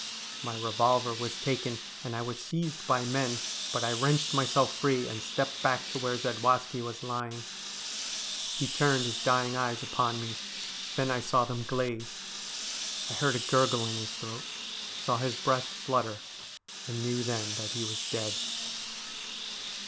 My revolver was taken, and I was seized by men, but I wrenched myself free, and stepped back to where Zadwaski was lying. He turned his dying eyes upon me. Then I saw them glaze. I heard a gurgle in his throat, saw his breast flutter, and knew then that he was dead.